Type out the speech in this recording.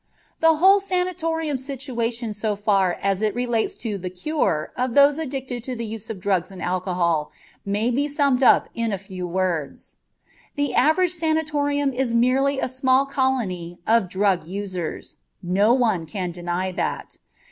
The whole sanatorium situation so far as it relates to the "cure" of those addicted to the use of drugs and alcohol may be summed up in a few words. The average sanatorium is merely a small colony of drug users. No one can deny that.